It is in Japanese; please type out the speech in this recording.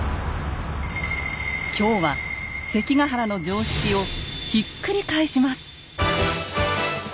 今日は関ヶ原の常識をひっくり返します。